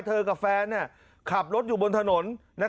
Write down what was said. กับแฟนขับรถอยู่บนถนน